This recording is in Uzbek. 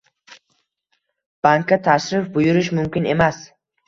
Bankga tashrif buyurish mumkin emas